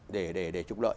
để chụp lợi